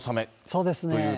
そうですね。